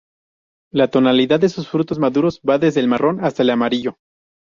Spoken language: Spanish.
La tonalidad de sus frutos maduros va desde el marrón hasta el amarillo.